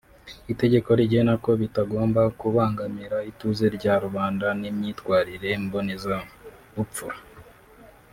itegeko rigena ko bitagomba kubangamira ituze rya rubanda n’imyitwarire mbonezabupfura